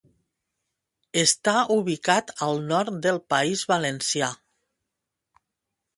Està ubicat al nord del País Valencià